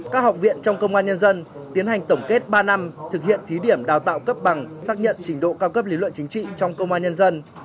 các học viện trong công an nhân dân tiến hành tổng kết ba năm thực hiện thí điểm đào tạo cấp bằng xác nhận trình độ cao cấp lý luận chính trị trong công an nhân dân